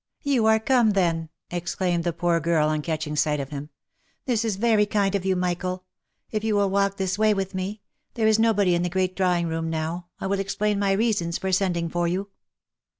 " You are come, then !" exclaimed the poor girl, on catching sight of him. "This is very kind of you, Michael ! If you will walk this way with me — there is nobody in the great drawing room now — I will explain my reasons for sending for you."